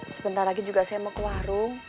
sebentar lagi juga saya mau ke warung